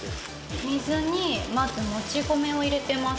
水にまずもち米を入れてます